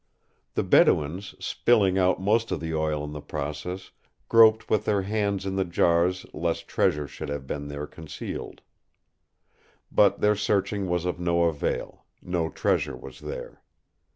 The Bedouins, spilling most of the oil in the process, groped with their hands in the jars lest treasure should have been there concealed. But their searching was of no avail; no treasure was there.